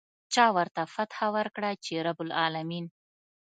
چا ورته فتحه ورکړه چې رب العلمين.